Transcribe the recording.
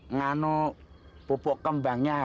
ngano pupuk kembangnya habis bang